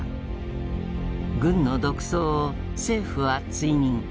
軍の独走を政府は追認。